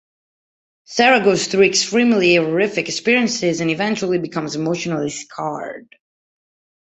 Sara goes through extremely horrific experiences and eventually becomes emotionally scarred.